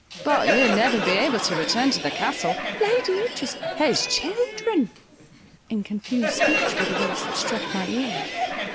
"But you will never be able to return to the Castle—Lady Idris—his children—" in confused speech were the words that struck my ear.